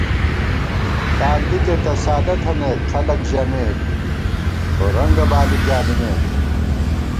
تاندِکےتہ سادہ تھنَئیک، خلَک ژَمېت، خو رنگہ بالی پیانِمېک